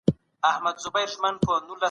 هغه د خدای ښار وليکه.